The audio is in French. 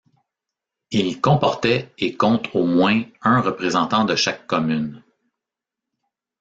Il comportait et compte au moins un représentant de chaque commune.